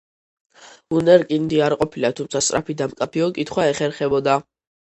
ვუნდერკინდი არ ყოფილა, თუმცა სწრაფი და მკაფიო კითხვა ეხერხებოდა.